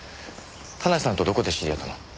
田無さんとどこで知り合ったの？